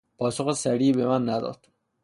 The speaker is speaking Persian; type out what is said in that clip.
پاسخ صریحی به من نداد.